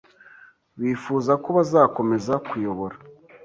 bifuza ko bakomeza kuyobora